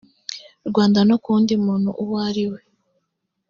rwanda no ku wundi muntu uwo ari we